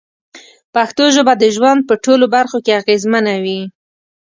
پښتو ژبه د ژوند په ټولو برخو کې اغېزمنه وي.